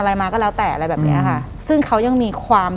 หลังจากนั้นเราไม่ได้คุยกันนะคะเดินเข้าบ้านอืม